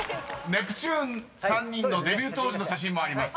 ［ネプチューン３人のデビュー当時の写真もあります。